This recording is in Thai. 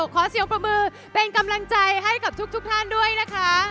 ขอเสียงปรบมือเป็นกำลังใจให้กับทุกท่านด้วยนะคะ